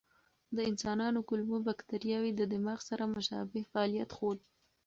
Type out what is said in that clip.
د انسانانو کولمو بکتریاوې د دماغ سره مشابه فعالیت ښود.